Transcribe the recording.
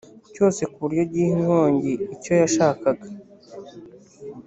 cyose ku buryo giha inkongi icyo yashakaga